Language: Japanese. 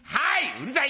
うるさい！